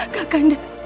kak kanda kak kanda